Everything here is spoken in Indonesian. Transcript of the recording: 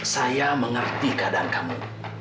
saya mengerti keadaan kamu